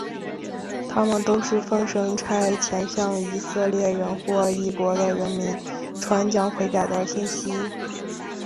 他们都是奉神差遣向以色列人或异国的人民传讲悔改的信息。